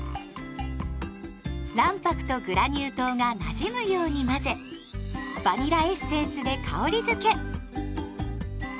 卵白とグラニュー糖がなじむように混ぜバニラエッセンスで香りづけ。